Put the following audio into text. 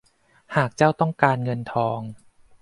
หากเจ้าต้องการเงินทอง